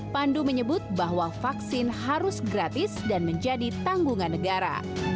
pandu menyebut bahwa vaksin harus gratis dan menjadi tanggungan negara